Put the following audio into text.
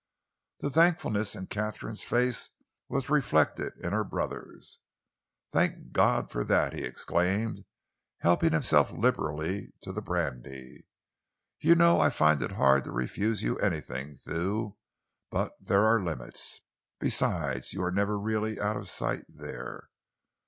The thankfulness in Katharine's face was reflected in her brother's. "Thank God for that!" he exclaimed, helping himself liberally to the brandy. "You know I'd find it hard to refuse you anything, Thew, but there are limits. Besides, you are never really out of sight there.